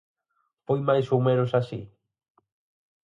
Foi máis ou menos así?